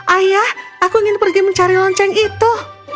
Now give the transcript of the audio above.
ayah aku ingin pergi mencari lonceng itu